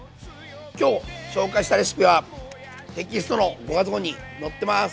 今日紹介したレシピはテキストの５月号に載ってます。